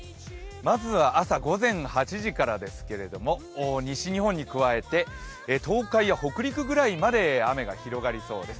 まずは朝午前８時からですけれども西日本に加えて東海や北陸ぐらいまで雨が広がりそうです。